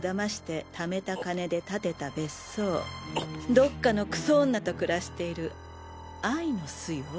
どっかのクソ女と暮らしている愛の巣よ。